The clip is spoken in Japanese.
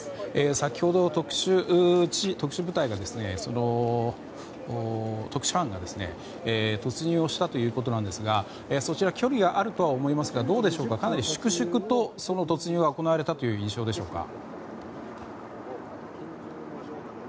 先ほど、特殊班が突入をしたということですがそちら距離があるとは思いますがかなり粛々と突入が行われたという印象でしょうか。